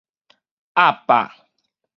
壓霸